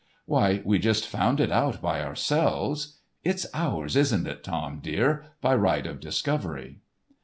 Why, we just found it out by ourselves. It's ours, isn't it, Tom, dear, by right of discovery?"